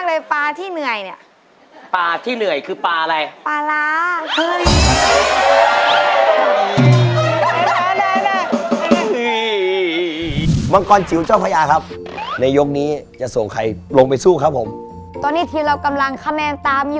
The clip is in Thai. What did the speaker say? เอามาเผื่อด้วยนะครับผมขอบคุณห้องเด็กซ่ามากครับ